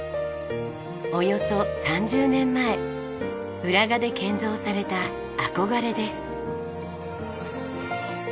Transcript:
およそ３０年前浦賀で建造された「あこがれ」です。